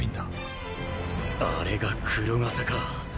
あれが黒笠か。